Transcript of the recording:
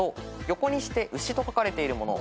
横にして「うし」と書かれているもの。